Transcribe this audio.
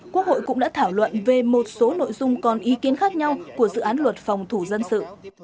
quốc hội cũng đã thảo luận về một số nội dung còn ý kiến khác nhau của dự án luật phòng thủ dân sự